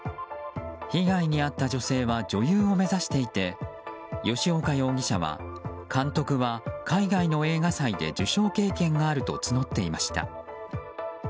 被害に遭った女性は女優を目指していて吉岡容疑者は監督は海外の映画祭で受賞経験があると募っていました。